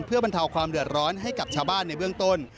เพื่อบรรเทาความเดือดร้อนให้กับชาวบ้านในเบื้องต้น